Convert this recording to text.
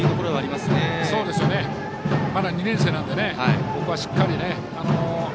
まだ２年生なのでここはしっかりね。